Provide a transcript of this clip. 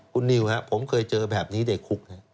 คุณนิวครับผมเคยเจอแบบนี้ในคุก